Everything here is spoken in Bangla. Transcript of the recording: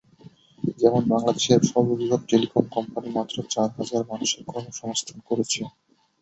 যেমন বাংলাদেশের সর্ববৃহৎ টেলিকম কোম্পানি মাত্র চার হাজার মানুষের কর্মসংস্থান করেছে।